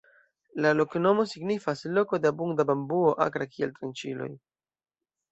La loknomo signifas: "loko de abunda bambuo akra kiel tranĉiloj".